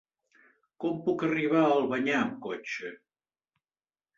Com puc arribar a Albanyà amb cotxe?